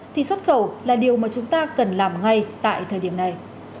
thì xuất khẩu là điều mà chúng ta cần làm ngay tại thời điểm này